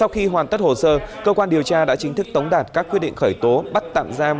trong tất hồ sơ cơ quan điều tra đã chính thức tống đạt các quyết định khởi tố bắt tạm giam